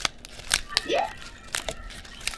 该州的最高点布莱克峰位于本县。